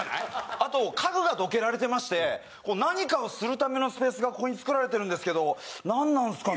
あと家具がどけられていまして何かをするためのスペースがここにつくられてるんですけど何なんすかね？